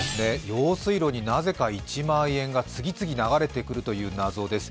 用水路になぜか一万円が次々流れてくるという謎です。